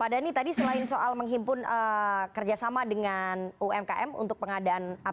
pak dhani tadi selain soal menghimpun kerjasama dengan umkm untuk pengadaan